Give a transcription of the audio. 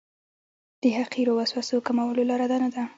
د حقیرو وسوسو کمولو لاره دا نه ده.